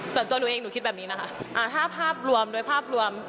ส่วนตัวหนูเองหนูคิดแบบนี้นะคะถ้าภาพรวมโดยภาพรวม